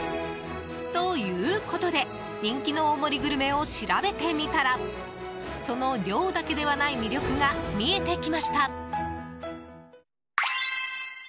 ということで人気の大盛りグルメを調べてみたらその量だけではない魅力が見えてきました。